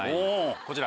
こちら。